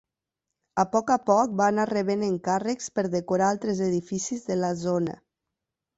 A poc a poc va anar rebent encàrrecs per decorar altres edificis de la zona.